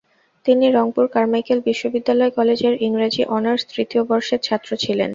তিনি রংপুর কারমাইকেল বিশ্ববিদ্যালয় কলেজের ইংরেজি অনার্স তৃতীয় বর্ষের ছাত্র ছিলেন।